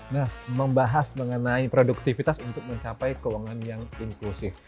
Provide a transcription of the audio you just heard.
nah membahas mengenai produktivitas untuk mencapai keuangan yang inklusif